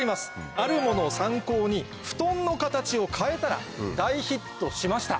あるものを参考にふとんの形を変えたら大ヒットしました。